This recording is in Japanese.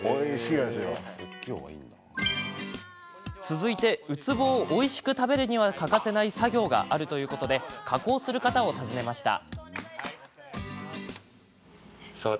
続いて、ウツボをおいしく食べるには欠かせない作業があるということで加工する方を訪ねました。